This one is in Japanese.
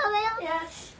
よし！